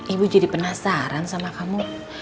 ibu jadi penasaran sama kamu